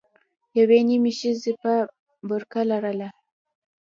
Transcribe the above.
يوې نيمې ښځې به برقه لرله.